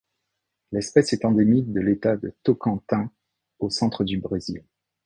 L'espèce est endémique de l'État de Tocantins au centre du Brésil.